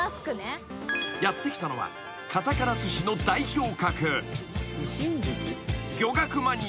［やって来たのはカタカナスシの代表格］